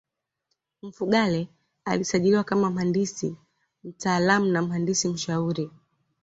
Mfugale alisajiliwa kama mhandisi mtaalamu na mhandisi mshauri